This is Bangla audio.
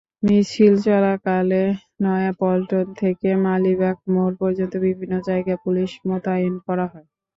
মিছিল চলাকালে নয়াপল্টন থেকে মালিবাগ মোড় পর্যন্ত বিভিন্ন জায়গায় পুলিশ মোতায়েন করা হয়।